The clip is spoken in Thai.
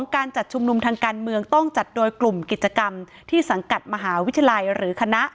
การจัดชุมนุมทางการเมืองต้องจัดโดยกลุ่มกิจกรรมที่สังกัดมหาวิทยาลัยหรือคณะ